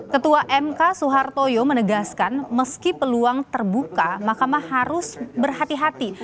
ketua mk soehartoyo menegaskan meski peluang terbuka mahkamah harus berhati hati